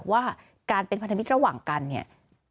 ว่าการเป็นพันธมิตรระหว่างกันเนี่ย